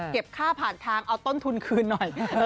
ค่าผ่านทางเอาต้นทุนคืนหน่อย